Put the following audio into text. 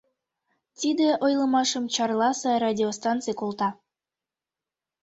Тиде ойлымашым Чарласе радиостанций колта.